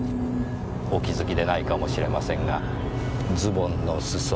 お気付きでないかもしれませんがズボンの裾。